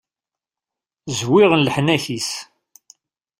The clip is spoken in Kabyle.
Zwiɣen leḥnak-is.